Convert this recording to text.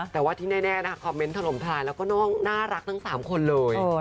แต่ว่าที่แน่น่ะคอมเม้นท์ถนมถาจและก็น่ารักทั้งสามคนเลย